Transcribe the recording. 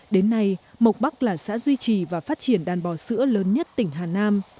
đến nay mộc bắc là xã duy trì và phát triển đàn bò sữa lớn nhất tỉnh hà nam